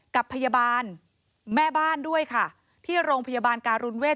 กับพยาบาลแม่บ้านด้วยค่ะที่โรงพยาบาลการุณเวท